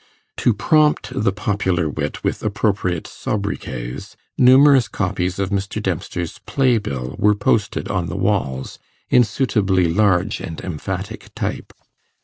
To prompt the popular wit with appropriate sobriquets, numerous copies of Mr. Dempster's play bill were posted on the walls, in suitably large and emphatic type.